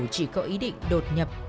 chỉ có ý định đột nhập